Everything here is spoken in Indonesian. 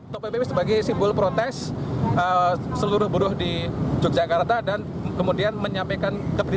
topo pp bisa bagi simpul protes seluruh buruh di yogyakarta dan kemudian menyampaikan